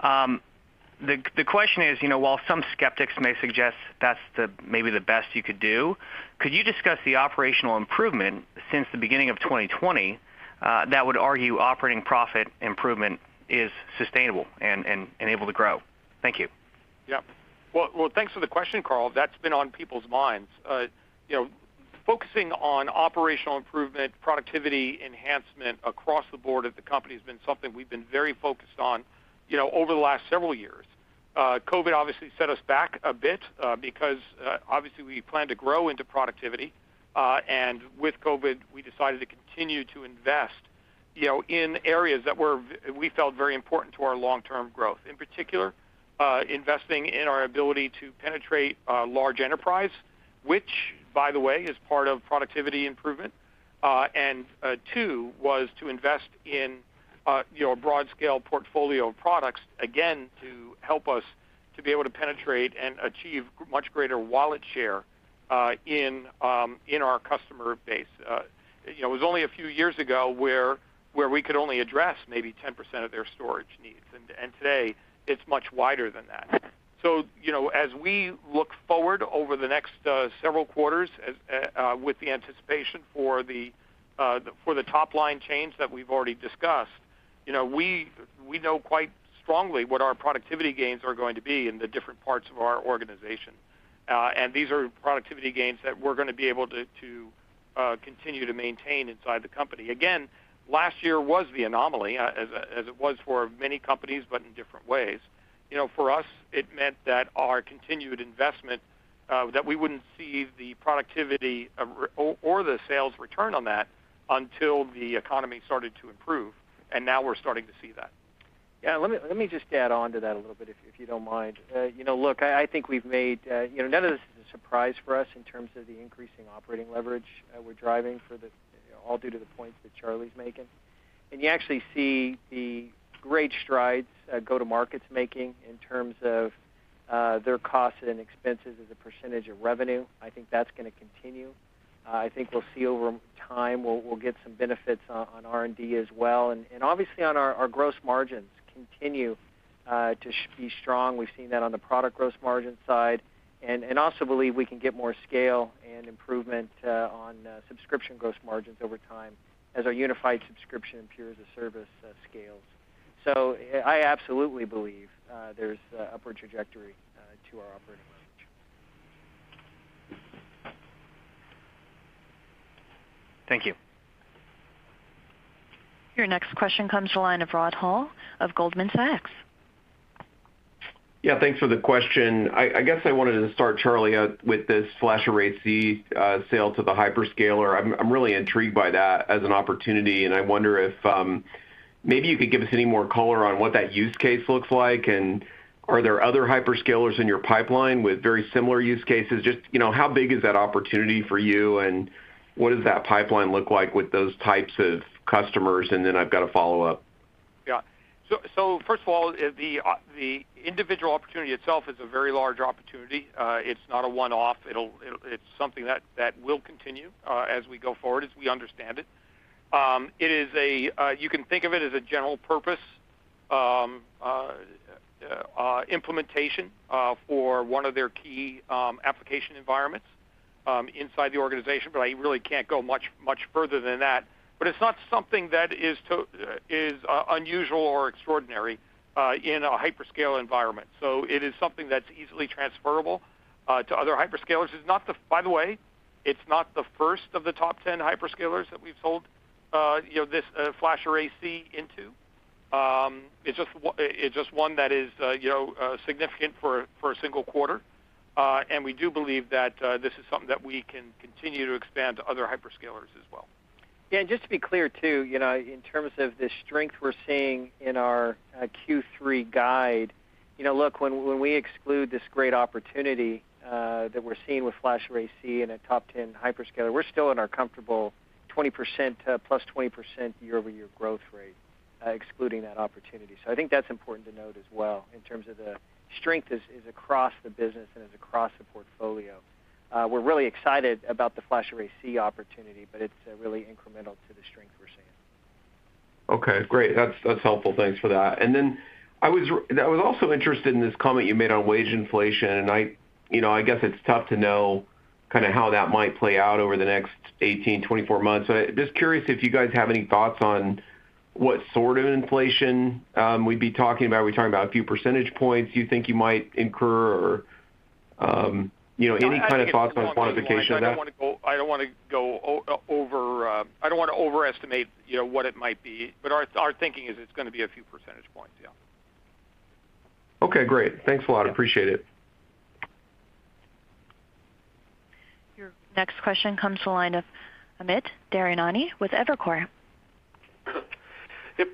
The question is, while some skeptics may suggest that's maybe the best you could do, could you discuss the operational improvement since the beginning of 2020, that would argue operating profit improvement is sustainable and able to grow? Thank you. Yep. Well, thanks for the question, Karl. That's been on people's minds. Focusing on operational improvement, productivity enhancement across the board of the company has been something we've been very focused on over the last several years. COVID-19 obviously set us back a bit, because obviously we plan to grow into productivity. With COVID-19, we decided to continue to invest in areas that we felt very important to our long-term growth, in particular, investing in our ability to penetrate large enterprise, which by the way, is part of productivity improvement. Two, was to invest in a broad scale portfolio of products, again, to help us to be able to penetrate and achieve much greater wallet share in our customer base. It was only a few years ago where we could only address maybe 10% of their storage needs, and today it's much wider than that. As we look forward over the next several quarters with the anticipation for the top line change that we've already discussed, we know quite strongly what our productivity gains are going to be in the different parts of our organization. These are productivity gains that we're going to be able to continue to maintain inside the company. Again, last year was the anomaly as it was for many companies, but in different ways. For us, it meant that our continued investment, that we wouldn't see the productivity or the sales return on that until the economy started to improve, and now we're starting to see that. Yeah, let me just add on to that a little bit, if you don't mind. Look, I think none of this is a surprise for us in terms of the increasing operating leverage we're driving all due to the points that Charles Giancarlo's making. You actually see the great strides Go-to-market's making in terms of their costs and expenses as a percentage of revenue. I think that's going to continue. I think we'll see over time, we'll get some benefits on R&D as well, and obviously on our gross margins continue to be strong. We've seen that on the product gross margin side, and also believe we can get more scale and improvement on subscription gross margins over time as our unified subscription and Pure as-a-Service scales. I absolutely believe there's upward trajectory to our operating leverage. Thank you. Your next question comes to the line of Rod Hall of Goldman Sachs. Thanks for the question. I guess I wanted to start, Charlie, with this FlashArray//C sale to the hyperscaler. I'm really intrigued by that as an opportunity. I wonder if maybe you could give us any more color on what that use case looks like. Are there other hyperscalers in your pipeline with very similar use cases? Just how big is that opportunity for you? What does that pipeline look like with those types of customers? Then I've got a follow-up. Yeah. First of all, the individual opportunity itself is a very large opportunity. It's not a one-off. It's something that will continue as we go forward as we understand it. You can think of it as a general purpose implementation for one of their key application environments inside the organization. I really can't go much further than that. It's not something that is unusual or extraordinary in a hyperscale environment. It is something that's easily transferable to other hyperscalers. By the way, it's not the first of the top 10 hyperscalers that we've sold this FlashArray//C into. It's just one that is significant for a single quarter. We do believe that this is something that we can continue to expand to other hyperscalers as well. Just to be clear too, in terms of the strength we're seeing in our Q3 guide, look, when we exclude this great opportunity that we're seeing with FlashArray//C and a top 10 hyperscaler, we're still in our comfortable +20% year-over-year growth rate excluding that opportunity. I think that's important to note as well in terms of the strength is across the business and is across the portfolio. We're really excited about the FlashArray//C opportunity, it's really incremental to the strength we're seeing. Okay, great. That's helpful. Thanks for that. I was also interested in this comment you made on wage inflation. I guess it's tough to know how that might play out over the next 18, 24 months. Just curious if you guys have any thoughts on what sort of inflation we'd be talking about? Are we talking about a few percentage points you think you might incur or any kind of thoughts on quantification of that? I don't want to overestimate what it might be, but our thinking is it's going to be a few percentage points. Yeah. Okay, great. Thanks a lot. Appreciate it. Your next question comes to the line of Amit Daryanani with Evercore. Yep.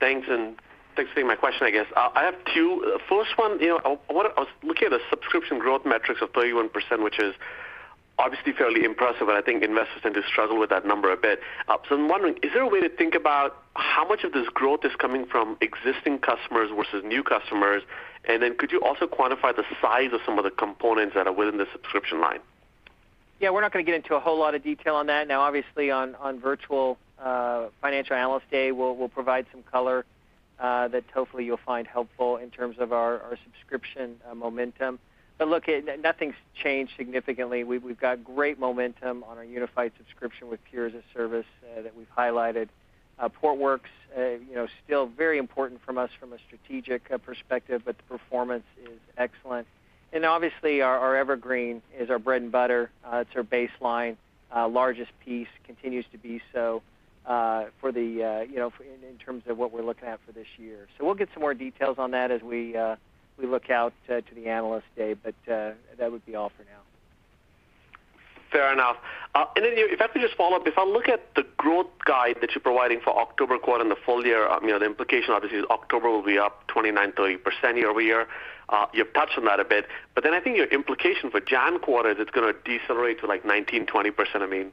Thanks, and thanks for taking my question, I guess. I have two. First one, I was looking at the subscription growth metrics of 31%, which is obviously fairly impressive, and I think investors tend to struggle with that number a bit. I'm wondering, is there a way to think about how much of this growth is coming from existing customers versus new customers? Could you also quantify the size of some of the components that are within the subscription line? Yeah, we're not going to get into a whole lot of detail on that now. Obviously, on Virtual Financial Analyst Day, we'll provide some color that hopefully you'll find helpful in terms of our subscription momentum. Look, nothing's changed significantly. We've got great momentum on our unified subscription with Pure as-a-Service that we've highlighted. Portworx, still very important from us from a strategic perspective, but the performance is excellent. Obviously, our Evergreen is our bread and butter. It's our baseline, largest piece, continues to be so in terms of what we're looking at for this year. We'll get some more details on that as we look out to the Analyst Day, but that would be all for now. Fair enough. If I could just follow up, if I look at the growth guide that you're providing for October quarter and the full-year, the implication obviously is October will be up 29%, 30% year-over-year. You've touched on that a bit, I think your implication for Jan quarter is it's going to decelerate to like 19%, 20%.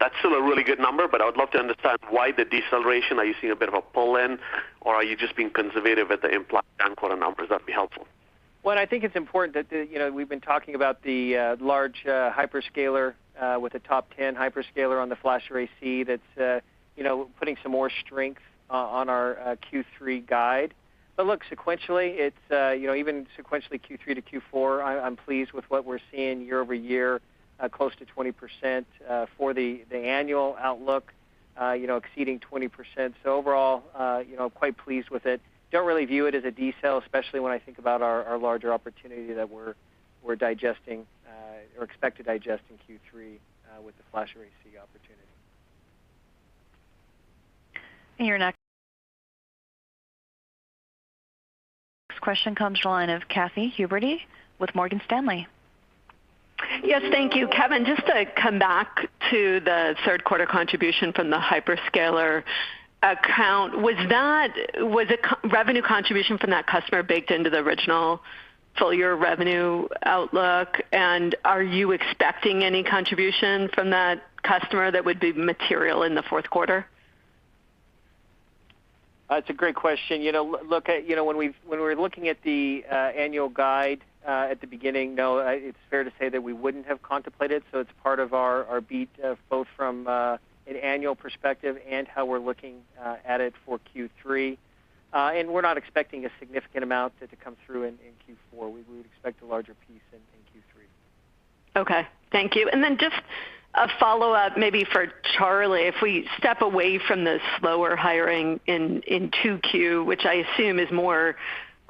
That's still a really good number, I would love to understand why the deceleration. Are you seeing a bit of a pull-in or are you just being conservative at the implied down quarter numbers? That'd be helpful. I think it's important that we've been talking about the large hyperscaler with a top 10 hyperscaler on the FlashArray//C that's putting some more strength on our Q3 guide. Even sequentially Q3 to Q4, I'm pleased with what we're seeing year-over-year, close to 20% for the annual outlook exceeding 20%. Overall quite pleased with it. Don't really view it as a decel, especially when I think about our larger opportunity that we're digesting or expect to digest in Q3 with the FlashArray//C opportunity. Your next question comes to the line of Katy Huberty with Morgan Stanley. Yes. Thank you. Kevan, just to come back to the third quarter contribution from the hyperscaler account, was the revenue contribution from that customer baked into the original full-year revenue outlook? Are you expecting any contribution from that customer that would be material in the fourth quarter? That's a great question. When we were looking at the annual guide at the beginning, no, it's fair to say that we wouldn't have contemplated. It's part of our beat both from an annual perspective and how we're looking at it for Q3. We're not expecting a significant amount to come through in Q4. We would expect a larger piece in Q3. Okay. Thank you. Just a follow-up maybe for Charlie. If we step away from the slower hiring in 2Q, which I assume is more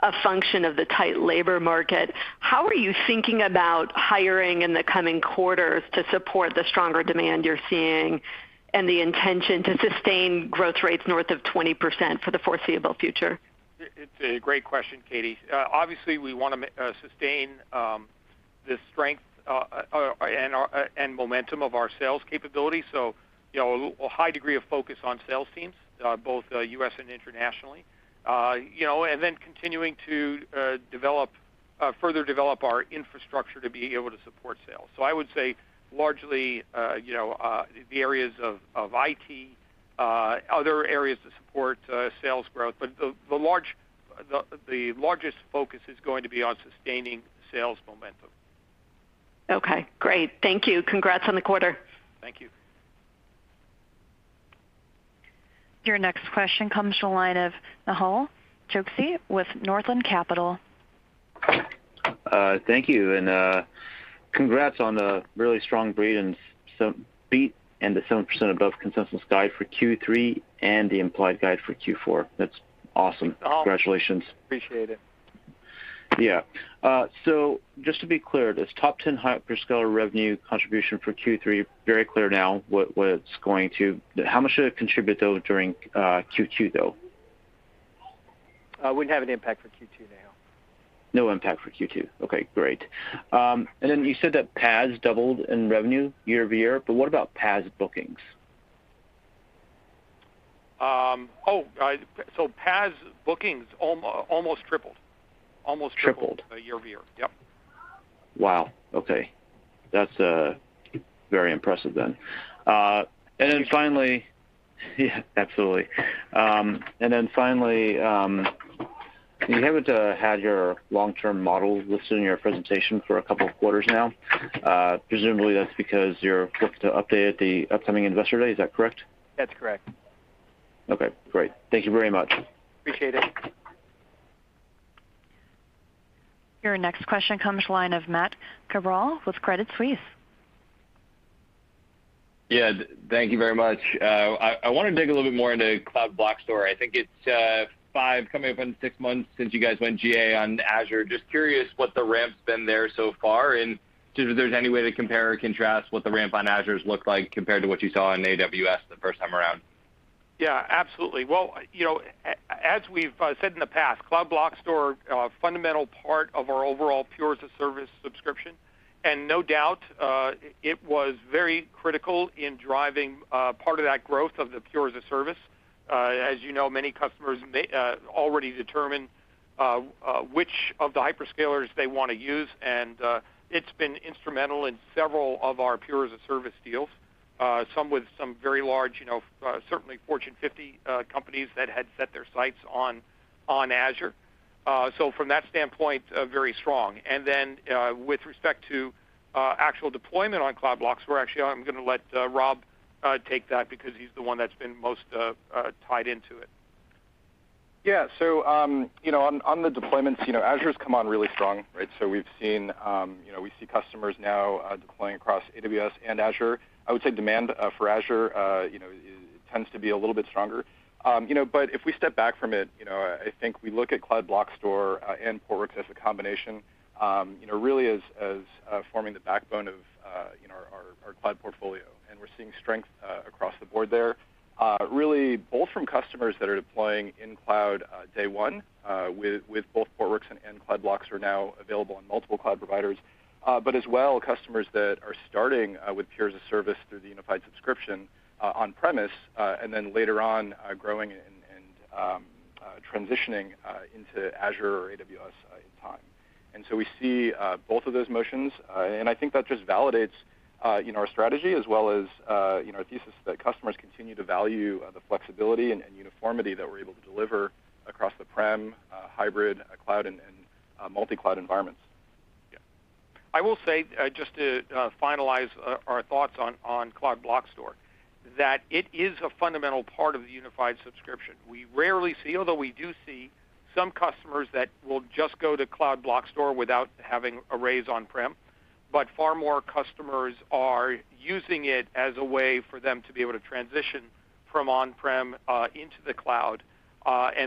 a function of the tight labor market, how are youthinking about hiring in the coming quarters to support the stronger demand you're seeing and the intention to sustain growth rates north of 20% for the foreseeable future? It's a great question, Katy. Obviously, we want to sustain the strength and momentum of our sales capability, a high degree of focus on sales teams both U.S. and internationally. Continuing to further develop our infrastructure to be able to support sales. I would say largely the areas of IT, other areas that support sales growth. The largest focus is going to be on sustaining sales momentum. Okay, great. Thank you. Congrats on the quarter. Thank you. Your next question comes to the line of Nehal Chokshi with Northland Capital Markets. Thank you. Congrats on the really strong beat and the 7% above consensus guide for Q3 and the implied guide for Q4. That's awesome. Congratulations. Appreciate it. Yeah. Just to be clear, this top 10 hyperscaler revenue contribution for Q3, very clear now what it's going to. How much did it contribute though during Q2, though? Wouldn't have an impact for Q2, Nehal. No impact for Q2. Okay, great. You said that PAS doubled in revenue year-over-year, what about PAS bookings? Oh, PAS bookings almost tripled. Tripled. Year-over-year. Yep. Wow, okay. That's very impressive then. Yeah, absolutely. Finally, you haven't had your long-term model listed in your presentation for two quarters now. Presumably that's because you're looking to update at the upcoming Investor Day. Is that correct? That's correct. Okay, great. Thank you very much. Appreciate it. Your next question comes to the line of Matthew Cabral with Credit Suisse. Yeah. Thank you very much. I want to dig a little bit more into Cloud Block Store. I think it's five coming up on six months since you guys went GA on Azure. Just curious what the ramp's been there so far, and if there's any way to compare or contrast what the ramp on Azure's looked like compared to what you saw on AWS the first time around. Absolutely. As we've said in the past, Cloud Block Store, a fundamental part of our overall Pure as-a-Service subscription, and no doubt, it was very critical in driving part of that growth of the Pure as-a-Service. As you know, many customers may already determine which of the hyperscalers they want to use, and it's been instrumental in several of our Pure as-a-Service deals. Some with some very large, certainly Fortune 50 companies that had set their sights on Azure. From that standpoint, very strong. With respect to actual deployment on Cloud Block Store, actually I'm going to let Rob take that because he's the one that's been most tied into it. Yeah. On the deployments, Azure's come on really strong, right? We see customers now deploying across AWS and Azure. I would say demand for Azure tends to be a little bit stronger. If we step back from it, I think we look at Cloud Block Store and Portworx as a combination really as forming the backbone of our cloud portfolio. We're seeing strength across the board there, really both from customers that are deploying in cloud day one, with both Portworx and Cloud Block Store now available on multiple cloud providers. As well, customers that are starting with Pure as-a-Service through the unified subscription on-premise, and then later on growing and transitioning into Azure or AWS in time. We see both of those motions. I think that just validates our strategy as well as our thesis that customers continue to value the flexibility and uniformity that we're able to deliver across the prem, hybrid cloud, and multi-cloud environments. Yeah. I will say, just to finalize our thoughts on Cloud Block Store, that it is a fundamental part of the unified subscription. We rarely see, although we do see some customers that will just go to Cloud Block Store without having arrays on-prem, but far more customers are using it as a way for them to be able to transition from on-prem into the cloud.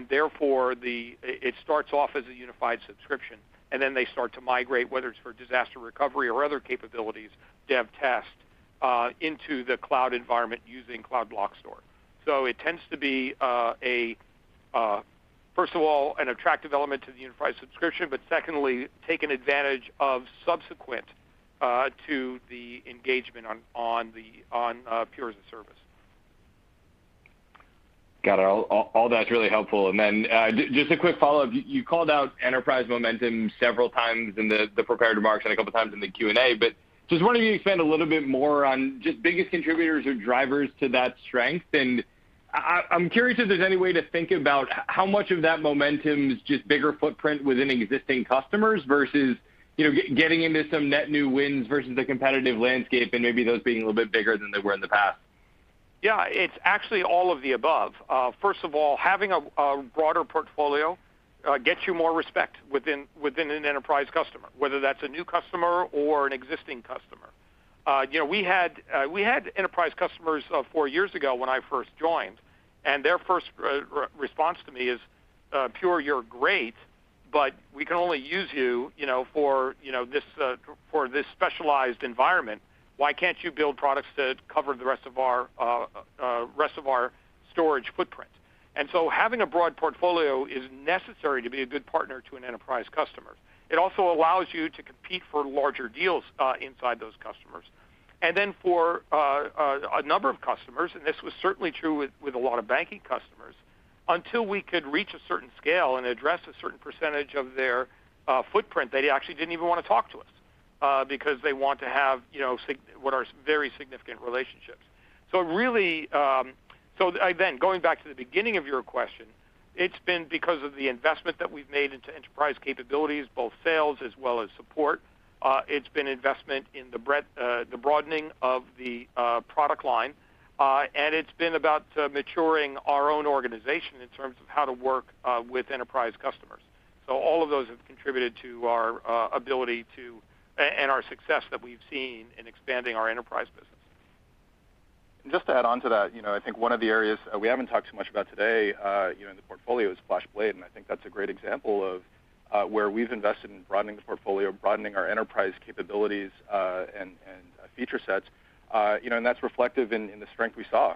Therefore, it starts off as a unified subscription, and then they start to migrate, whether it's for disaster recovery or other capabilities, dev test, into the cloud environment using Cloud Block Store. It tends to be, first of all, an attractive element to the unified subscription, but secondly, taken advantage of subsequent to the engagement on Pure as-a-Service. Got it. All that's really helpful. Just a quick follow-up. You called out enterprise momentum several times in the prepared remarks and a couple of times in the Q&A, but just wondering if you could expand a little bit more on just biggest contributors or drivers to that strength. I'm curious if there's any way to think about how much of that momentum is just bigger footprint within existing customers versus getting into some net new wins versus the competitive landscape and maybe those being a little bit bigger than they were in the past. Yeah, it's actually all of the above. First of all, having a broader portfolio gets you more respect within an enterprise customer, whether that's a new customer or an existing customer. We had enterprise customers 4 years ago when I first joined, and their first response to me is, "Pure, you're great, but we can only use you for this specialized environment. Why can't you build products that cover the rest of our storage footprint?" Having a broad portfolio is necessary to be a good partner to an enterprise customer. It also allows you to compete for larger deals inside those customers. For a number of customers, and this was certainly true with a lot of banking customers, until we could reach a certain scale and address a certain percentage of their footprint, they actually didn't even want to talk to us, because they want to have what are very significant relationships. Going back to the beginning of your question, it's been because of the investment that we've made into enterprise capabilities, both sales as well as support. It's been investment in the broadening of the product line. It's been about maturing our own organization in terms of how to work with enterprise customers. All of those have contributed to our ability and our success that we've seen in expanding our enterprise business. Just to add onto that, I think one of the areas we haven't talked too much about today in the portfolio is FlashBlade, and I think that's a great example of where we've invested in broadening the portfolio, broadening our enterprise capabilities, and feature sets. That's reflective in the strength we saw.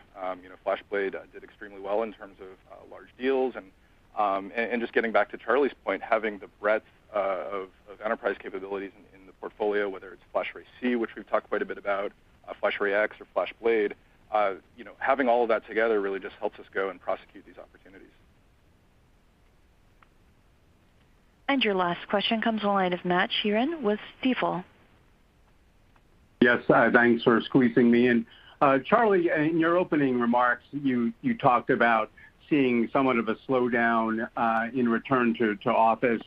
FlashBlade did extremely well in terms of large deals, and just getting back to Charlie's point, having the breadth of enterprise capabilities in the portfolio, whether it's FlashArray//C, which we've talked quite a bit about, FlashArray//X or FlashBlade. Having all of that together really just helps us go and prosecute these opportunities. Your last question comes the line of Matt Sheerin with Stifel. Yes, thanks for squeezing me in. Charlie, in your opening remarks, you talked about seeing somewhat of a slowdown in return to office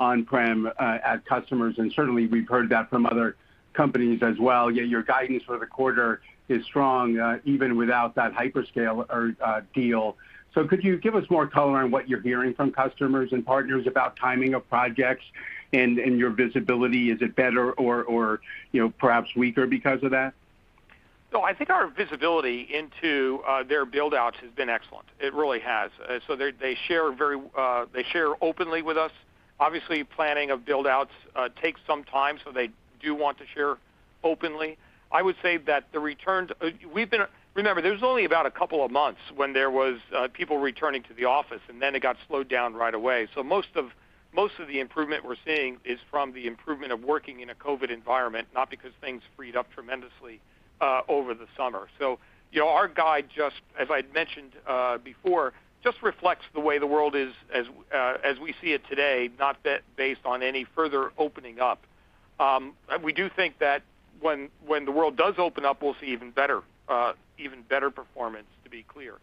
on-prem at customers, and certainly we've heard that from other companies as well, yet your guidance for the quarter is strong even without that hyperscale deal. Could you give us more color on what you're hearing from customers and partners about timing of projects and your visibility? Is it better or perhaps weaker because of that? I think our visibility into their build-outs has been excellent. It really has. They share openly with us. Obviously, planning of build-outs takes some time, so they do want to share openly. Remember, there was only about a two months when there was people returning to the office, and then it got slowed down right away. Most of the improvement we're seeing is from the improvement of working in a COVID-19 environment, not because things freed up tremendously over the summer. Our guide, as I'd mentioned before, just reflects the way the world is as we see it today, not based on any further opening up. We do think that when the world does open up, we'll see even better performance, to be clear.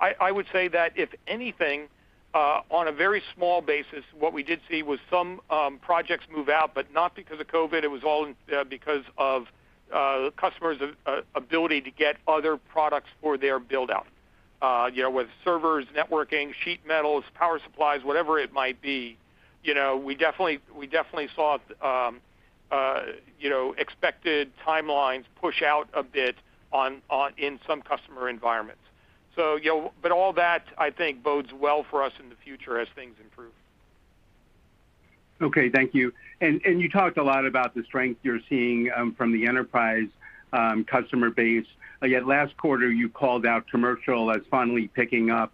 I would say that if anything, on a very small basis, what we did see was some projects move out, but not because of COVID. It was all because of customers' ability to get other products for their build-out. With servers, networking, sheet metals, power supplies, whatever it might be, we definitely saw expected timelines push out a bit in some customer environments. But all that, I think, bodes well for us in the future as things improve. Okay, thank you. You talked a lot about the strength you're seeing from the enterprise customer base. Last quarter, you called out commercial as finally picking up.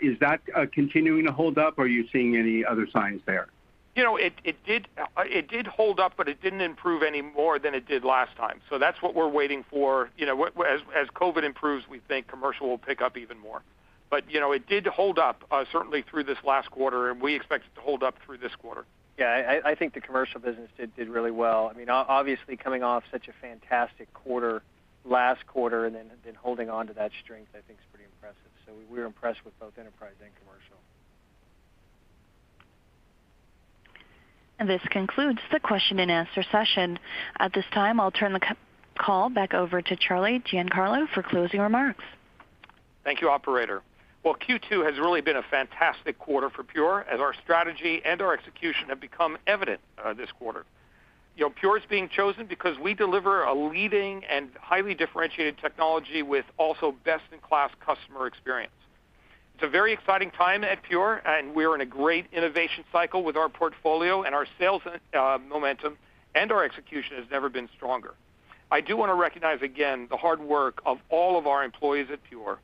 Is that continuing to hold up? Are you seeing any other signs there? It did hold up, it didn't improve any more than it did last time. That's what we're waiting for. As COVID improves, we think commercial will pick up even more. It did hold up, certainly through this last quarter, and we expect it to hold up through this quarter. Yeah, I think the commercial business did really well. Obviously, coming off such a fantastic quarter last quarter holding onto that strength, I think is pretty impressive. We're impressed with both enterprise and commercial. This concludes the question-and-answer session. At this time, I'll turn the call back over to Charles Giancarlo for closing remarks. Thank you, operator. Well, Q2 has really been a fantastic quarter for Everpure as our strategy and our execution have become evident this quarter. Everpure's being chosen because we deliver a leading and highly differentiated technology with also best-in-class customer experience. It's a very exciting time at Everpure, and we're in a great innovation cycle with our portfolio, and our sales momentum and our execution has never been stronger. I do want to recognize again the hard work of all of our employees at Everpure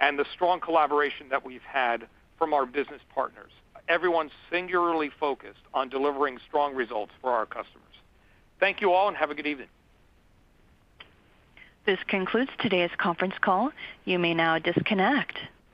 and the strong collaboration that we've had from our business partners. Everyone's singularly focused on delivering strong results for our customers. Thank you all, and have a good evening. This concludes today's conference call. You may now disconnect.